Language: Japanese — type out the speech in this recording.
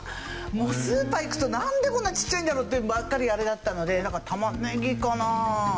もうスーパー行くとなんでこんなちっちゃいんだろうっていうのばっかりあれだったのでだから玉ねぎかなあ。